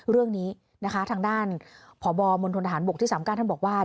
เรื่องนี้นะคะทางด้านพบมฐบที่๓กท่านบอกว่า